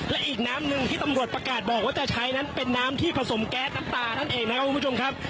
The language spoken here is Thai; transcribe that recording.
และอีกน้ำหนึ่งที่ตำรวจประกาศบอกว่าจะใช้นั้นเป็นน้ำที่ผสมแก๊สน้ำตานั่นเองนะครับคุณผู้ชมครับ